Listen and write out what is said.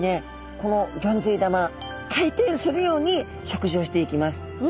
このギョンズイ玉回転するように食事をしていきます。